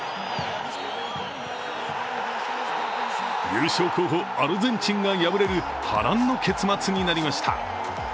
優勝候補・アルゼンチンが敗れる波乱の結末になりました。